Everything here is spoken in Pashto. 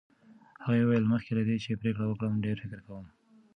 هغې وویل، مخکې له دې چې پرېکړه وکړم ډېر فکر کوم.